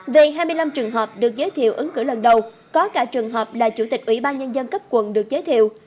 về hai mươi năm trường hợp được giới thiệu ứng cử lần đầu có cả trường hợp là chủ tịch ủy ban nhân dân cấp quận được giới thiệu